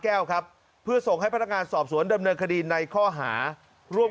แก้วครับเพื่อส่งให้พนักงานสอบสวนดำเนินคดีในข้อหาร่วม